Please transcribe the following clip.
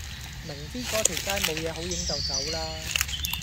明知個條街冇野好影就走啦